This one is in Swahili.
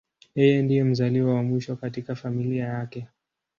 Yeye ndiye mzaliwa wa mwisho katika familia yake.